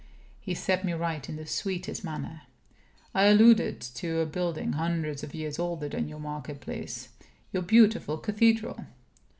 He set me right in the sweetest manner: "I alluded to a building hundreds of years older than your market place your beautiful cathedral."